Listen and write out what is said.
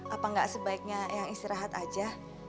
apa enggak sebaiknya eang istirahat saja